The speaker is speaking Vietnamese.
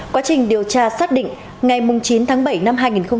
quá trình điều tra xác định ngày chín tháng bảy năm hai nghìn một mươi chín